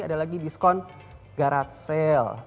ada lagi diskon garat sale